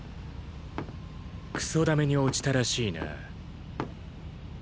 糞溜めに落ちたらしいな。